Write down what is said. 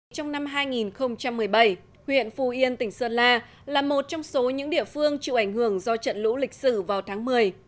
trong năm hai nghìn một mươi bảy huyện phù yên tỉnh sơn la là một trong số những địa phương chịu ảnh hưởng do trận lũ lịch sử vào tháng một mươi